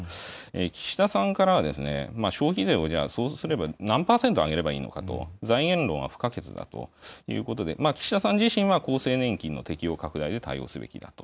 岸田さんからは、消費税を、じゃあそうすると何％上げればいいのかと、財源が不可欠だということで、岸田さん自身は、厚生年金の適用拡大で対応すべきだと。